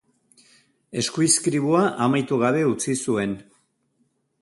Eskuizkribua amaitu gabe utzi zuen.